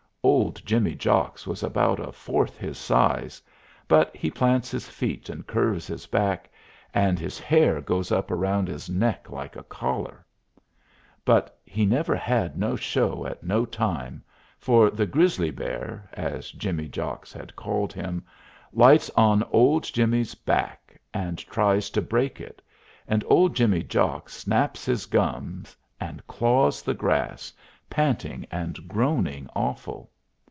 Old Jimmy Jocks was about a fourth his size; but he plants his feet and curves his back, and his hair goes up around his neck like a collar. But he never had no show at no time, for the grizzly bear, as Jimmy Jocks had called him, lights on old Jimmy's back and tries to break it, and old Jimmy Jocks snaps his gums and claws the grass, panting and groaning awful.